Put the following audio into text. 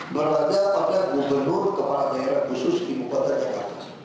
berada pada gubernur kepala daerah khusus di bukit jakarta